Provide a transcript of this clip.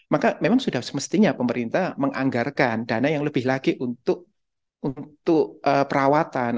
maka memang sudah semestinya pemerintah menganggarkan dana yang lebih lagi untuk perawatan